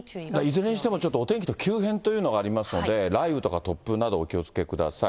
いずれにしてもお天気の急変というのがありますので、雷雨とか突風などお気をつけください。